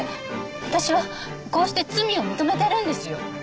私はこうして罪を認めてるんですよ。